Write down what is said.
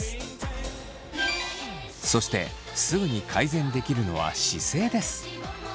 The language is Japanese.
そしてすぐに改善できるのは姿勢です。